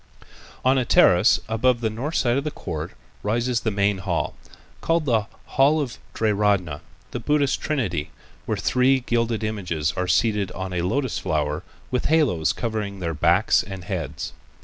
On a terrace above the north side of the court rises the main hall, called the "Hall of the Triratna," the Buddhist Trinity, where three gilded images are seated on a lotus flower with halos covering their backs and heads.